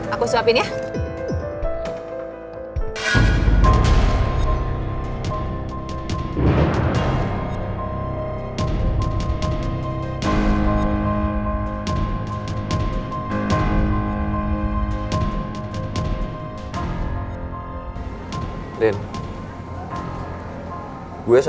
aku siapin ya